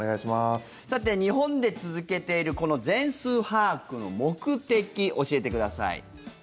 さて、日本で続けているこの全数把握の目的教えてください。